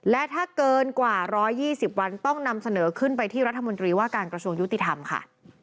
และถ้าเกินกว่า๑๒๐วันต้องนำเสนอขึ้นไปที่รัฐมนตรีว่าการกระทรวงยุติธรรมค่ะ